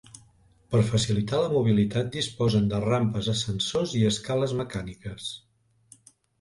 Per facilitar la mobilitat disposen de rampes, ascensors i escales mecàniques.